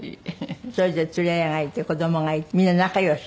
それぞれ連れ合いがいて子どもがいてみんな仲良し？